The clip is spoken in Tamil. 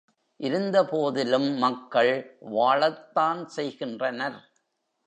இருந்தபோதிலும், மக்கள் வாழத்தான் செய்கின்றனர்.